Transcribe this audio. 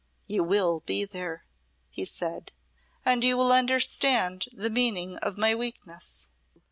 "You will be there," he said, "and you will understand the meaning of my weakness."